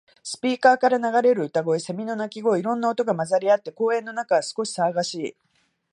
スピーカーから流れる歌声、セミの鳴き声。いろんな音が混ざり合って、公園の中は少し騒がしい。